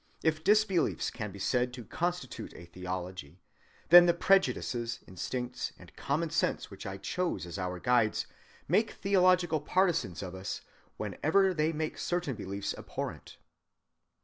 If disbeliefs can be said to constitute a theology, then the prejudices, instincts, and common sense which I chose as our guides make theological partisans of us whenever they make certain beliefs abhorrent.